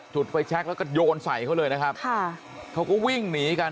จุดไฟแช็คแล้วก็โยนใส่เขาเลยนะครับค่ะเขาก็วิ่งหนีกัน